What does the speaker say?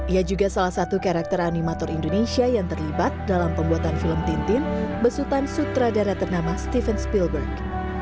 ia juga salah satu karakter animator indonesia yang terlibat dalam pembuatan film tintin besutan sutradara ternama stephens billberg